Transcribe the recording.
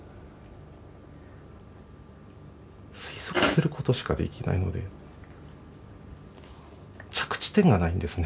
推測することしかできないので着地点がないんですね